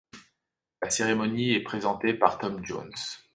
La cérémonie est présentée par Tom Jones.